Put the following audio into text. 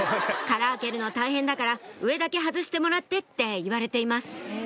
「殻開けるの大変だから上だけ外してもらって」って言われています